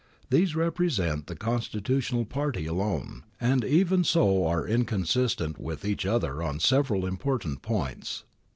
These represent the con stitutional party alone, and even so are inconsistent with each other on several important points.